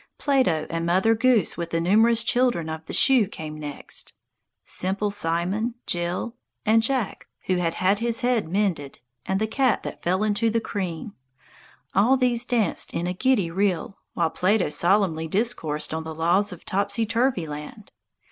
Plato and Mother Goose with the numerous children of the shoe came next. Simple Simon, Jill, and Jack who had had his head mended, and the cat that fell into the cream all these danced in a giddy reel, while Plato solemnly discoursed on the laws of Topsyturvy Land.